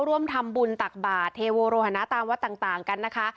ร่วมทำบุญตักบาทเทโวโรหนะตามวัดต่างกันนะคะ